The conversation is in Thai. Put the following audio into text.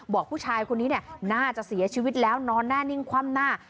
บอกผู้ชายคนนี้น่าจะเสียชีวิตแล้วนอนแน่นิ่งคว่ำหน้า